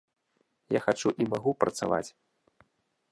Я хачу і магу працаваць.